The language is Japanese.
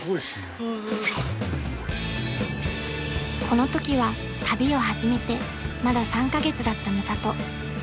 ［このときは旅を始めてまだ３カ月だったミサト］